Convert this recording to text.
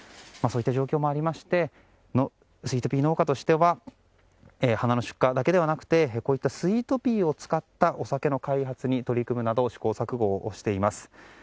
そういった状況もありましてスイートピー農家としては花の出荷だけではなくてスイートピーを使ったお酒の開発に取り組むなど試行錯誤をしています。